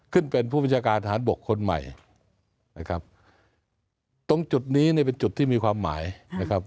ขึ้นเป็นผู้บัญชาการทหารบกคนใหม่นะครับตรงจุดนี้เนี่ยเป็นจุดที่มีความหมายนะครับ